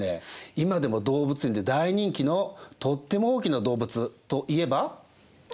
今でも動物園で大人気のとっても大きな動物といえば？